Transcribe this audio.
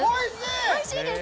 おいしいです？